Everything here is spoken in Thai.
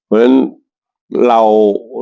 เพราะฉะนั้น